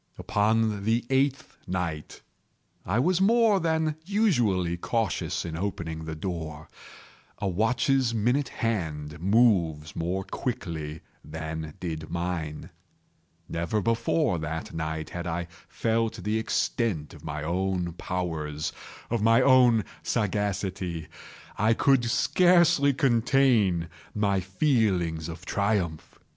Upon the eighth night I was more than usually cautious in opening the door. A watch's minute hand moves more quickly than did mine. Never before that night had I felt the extent of my own powers—of my sagacity. I could scarcely contain my feelings of triumph.